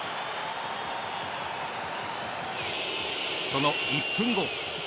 その１分後。